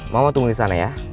mau tunggu di sana ya